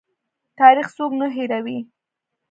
تاریخ څوک نه هیروي